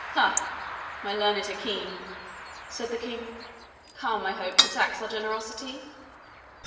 "Ha! my learned Hakim," said the King, "come, I hope, to tax our generosity."